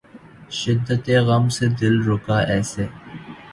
شدتِ غم سے دل رکا ایسے